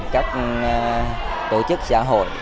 các tổ chức xã hội